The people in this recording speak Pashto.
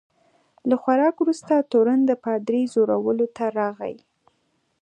له خوراک وروسته تورن د پادري ځورولو ته راغی.